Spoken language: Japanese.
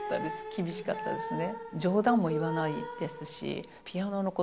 厳しかったですね。